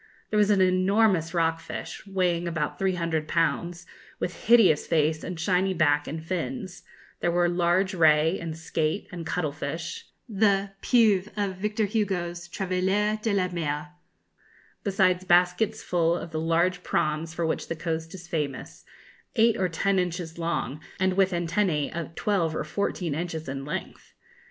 There was an enormous rockfish, weighing about 300 pounds, with hideous face and shiny back and fins; there were large ray, and skate, and cuttle fish the pieuvre of Victor Hugo's 'Travailleurs de la Mer' besides baskets full of the large prawns for which the coast is famous, eight or ten inches long, and with antennæ of twelve or fourteen inches in length.